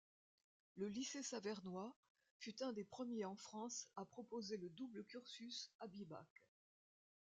Le lycée savernois fut un des premiers en France à proposer le double-cursus Abibac.